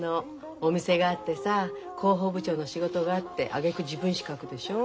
お店があってさ広報部長の仕事があってあげく自分史書くでしょう？